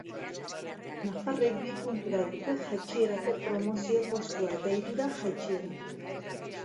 Nafarrek bi puntura dute jaitsierako promozio postua eta hirura jaitsiera.